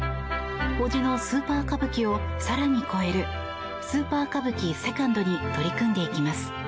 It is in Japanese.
伯父のスーパー歌舞伎を更に超えるスーパー歌舞伎セカンドに取り組んでいきます。